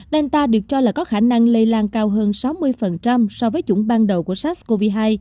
delta được cho là có khả năng lây lan cao hơn sáu mươi so với chủng ban đầu của sars cov hai